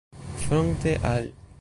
fronte al